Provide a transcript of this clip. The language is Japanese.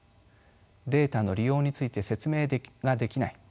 データの利用について説明ができない。